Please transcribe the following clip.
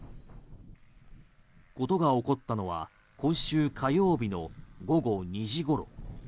事が起こったのは今週火曜日の午後２時ごろ。